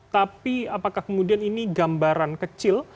tapi apakah kemudian ini gambaran kecil